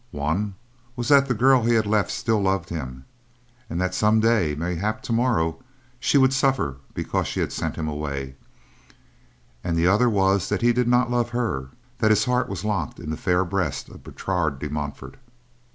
One was that the girl he had left still loved him, and that some day, mayhap tomorrow, she would suffer because she had sent him away; and the other was that he did not love her, that his heart was locked in the fair breast of Bertrade de Montfort.